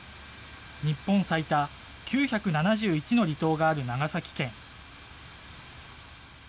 日本最多、９７１の離島がある長崎県。